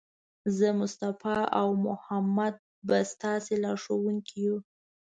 زه، مصطفی او محمد به ستاسې لارښوونکي یو.